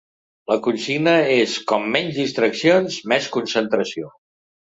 La consigna és: com menys distraccions, més concentració.